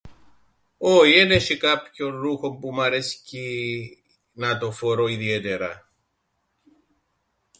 Όι εν εσ̆ει κάποιον ρούχον που μ' αρέσκει να το φορώ ιδιαίτερα.